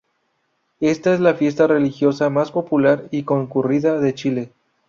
Esta es la fiesta religiosa más popular y concurrida de Chile.